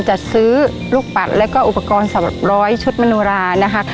จัดซื้อลูกปัดและอุปกรณ์สำหรับ๑๐๐ชุดมโนรานะครับ